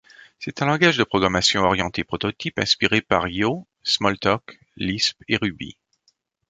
C'est un langage de programmation orientée prototype inspiré par Io, Smalltalk, Lisp et Ruby.